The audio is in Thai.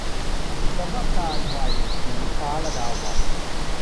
สมการวัย - ศรีฟ้า ลดาวัลย์